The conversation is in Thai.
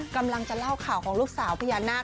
กำลังจะเล่าข่าวของลูกสาวพญานาค